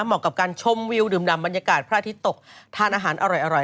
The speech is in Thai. เหมาะกับการชมวิวดื่มดำบรรยากาศพระอาทิตย์ตกทานอาหารอร่อย